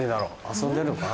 遊んでんのかな？